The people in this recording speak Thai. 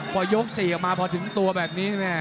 พอยก๔ออกมาพอถึงตัวแบบนี้แม่